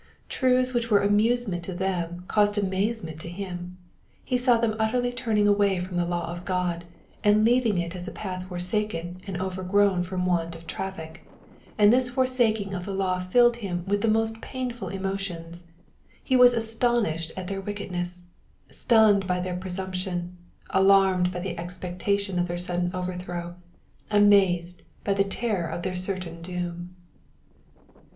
Truths which were amusement to them caused amazement to him. He saw them utterly turning away from the law of God, and leaving it as a path for saken and overgrown from want of traffic, and this forsaking of the law filled him with the most painful emotions : he was astonished at their wickedness, stunned by their presumption, alarmed by the expectation of their sudden overthrow, amazed by the terror of their certain doom.